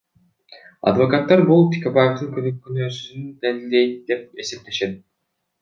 Адвокаттар бул Текебаевдин күнөөсүздүгүн далилдейт деп эсептешет.